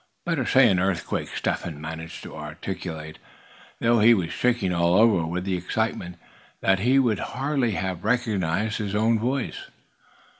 "Better say an earthquake!" Step Hen managed to articulate, though he was shaking all over, with the excitement, that he would hardly have recognized his own voice.